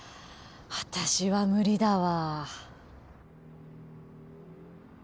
私は無理だわ。